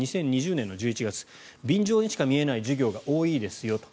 ２０２０年の１１月便乗にしか見えない事業が多いですよと。